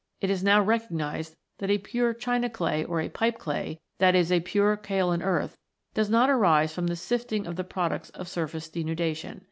It is now recognised that a pure china clay or a pipe clay, that is, a pure kaolin earth, does not arise from the sifting of the products of surface denudation.